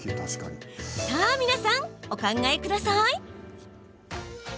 さあ皆さん、お考えください。